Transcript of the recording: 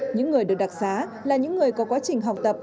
những người được đặc xá là những người có quá trình học tập